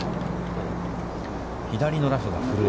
左のラフが古江。